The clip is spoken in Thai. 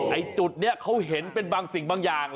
ไอ้จุดนี้เขาเห็นเป็นบางสิ่งบางอย่าง